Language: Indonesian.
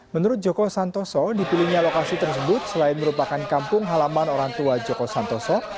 menurut joko santoso dipilihnya lokasi tersebut selain merupakan kampung halaman orang tua joko santoso